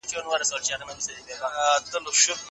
ملا ته وویل شول چې ویده شه.